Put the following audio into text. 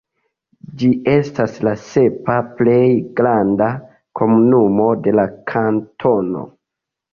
Ĝi estas la sepa plej granda komunumo de la kantono.